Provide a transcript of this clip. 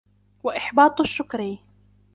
وَإِحْبَاطُ الشُّكْرِ